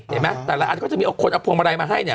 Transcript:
เห็นไหมแต่ละอันก็จะมีคนเอาพวงมาลัยมาให้เนี่ย